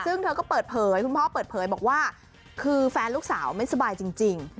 ซึ่งเธอก็เปิดเผยคุณพ่อเปิดเผยบอกว่าคือแฟนลูกสาวไม่สบายจริง